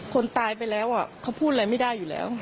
คนตายไปแล้วเขาพูดอะไรไม่ได้อยู่แล้ว